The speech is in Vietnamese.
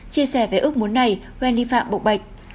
chia sẻ với ước muốn này wendy phạm bộc bạch